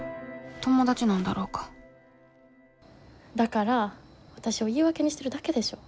ともだちなんだろうかだからわたしを言い訳にしてるだけでしょ。